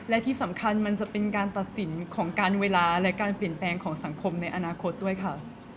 และที่สำคัญมันจะเป็นการตัดสินของการเวลาและการเปลี่ยนแปลงของสังคมในอนาคตด้วยค่ะ